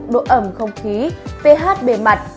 độ ẩm không khí ph bề mặt